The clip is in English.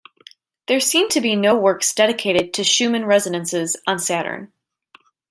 There seem to be no works dedicated to Schumann resonances on Saturn.